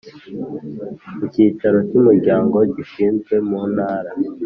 Icyicaro cy umuryango gishinzwe mu ntara